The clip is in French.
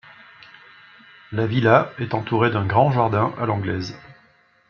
La villa est entourée d'un grand jardin à l'anglaise.